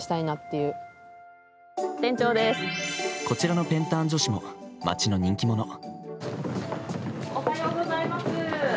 こちらのペンターン女子も町の人気者。